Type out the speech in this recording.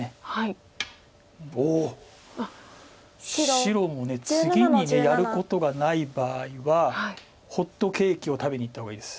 白も次にやることがない場合はホットケーキを食べに行った方がいいです。